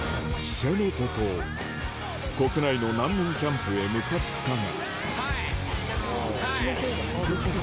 せめてと国内の難民キャンプへ向かったがハイ！